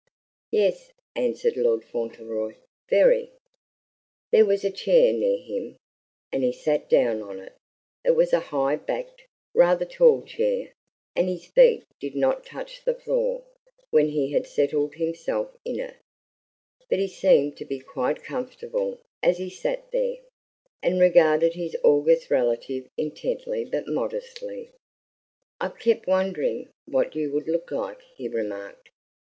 "Yes," answered Lord Fauntleroy, "very." There was a chair near him, and he sat down on it; it was a high backed, rather tall chair, and his feet did not touch the floor when he had settled himself in it, but he seemed to be quite comfortable as he sat there, and regarded his august relative intently but modestly. "I've kept wondering what you would look like," he remarked.